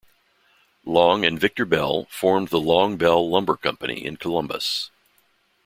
Long and Victor Bell formed the Long-Bell Lumber Company in Columbus.